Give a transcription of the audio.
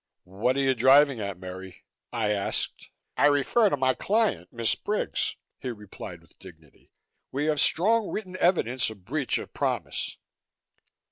"What are you driving at, Merry?" I asked. "I refer to my client, Miss Briggs," he replied with dignity. "We have strong written evidence of breach of promise."